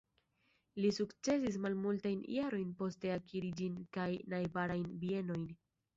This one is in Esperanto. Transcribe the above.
Li sukcesis malmultajn jarojn poste akiri ĝin kaj najbarajn bienojn.